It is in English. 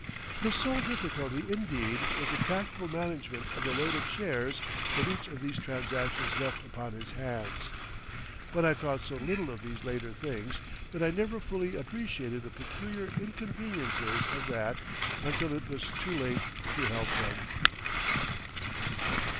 His sole difficulty indeed was the tactful management of the load of shares that each of these transactions left upon his hands. But I thought so little of these later things that I never fully appreciated the peculiar inconveniences of that until it was too late to help him.